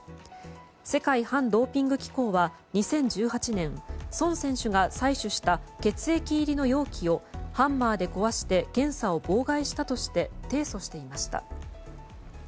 世界反ドーピング機構は２０１８年ソン選手が採取した血液入りの容器をハンマーで壊して検査を妨害したとして提訴していました。